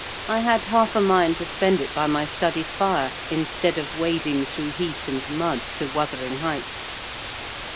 I had half a mind to spend it by my study fire, instead of wading through heath and mud to Wuthering Heights.